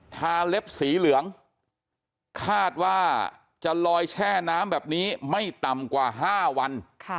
ทาเล็บสีเหลืองคาดว่าจะลอยแช่น้ำแบบนี้ไม่ต่ำกว่า๕วัน